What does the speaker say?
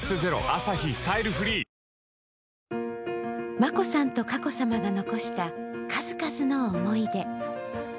眞子さんと佳子さまが残した数々の思い出。